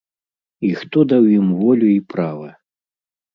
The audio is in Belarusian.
І хто даў ім волю і права?!